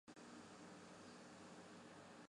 安道尔是欧洲比利牛斯山脉中的一个袖珍国家。